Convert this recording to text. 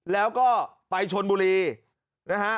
แล้วก็ไปชนบุรีนะฮะ